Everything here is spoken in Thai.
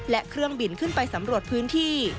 และเครื่องบินขึ้นไปสำรวจพื้นที่